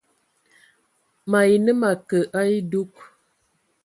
Mayi nə ma kə a edug.